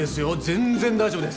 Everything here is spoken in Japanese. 全然大丈夫です。